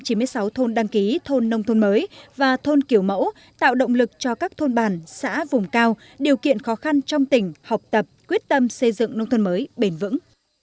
các thôn đăng ký thôn nông thôn mới và thôn kiểu mẫu tạo động lực cho các thôn bàn xã vùng cao điều kiện khó khăn trong tỉnh học tập quyết tâm xây dựng nông thôn mới bền vững